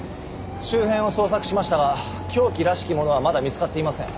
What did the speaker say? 周辺を捜索しましたが凶器らしきものはまだ見つかっていません。